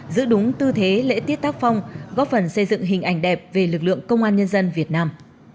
giữ đúng tư thế lễ tiết tác phong góp phần xây dựng hình ảnh đẹp về lực lượng công an nhân dân việt nam